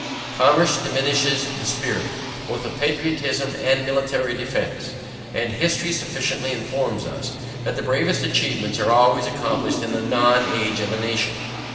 Commerce diminishes the spirit, both of patriotism and military defence. And history sufficiently informs us, that the bravest achievements were always accomplished in the non age of a nation.